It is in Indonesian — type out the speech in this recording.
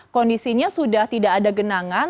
kondisinya sudah tidak ada genangan